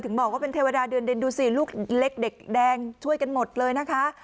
บอกว่าเป็นเทวดาเดือนเด็นดูสิลูกเล็กเด็กแดงช่วยกันหมดเลยนะคะ